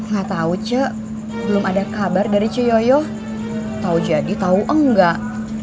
gak tau cek belum ada kabar dari coyoyo tau jadi tau enggak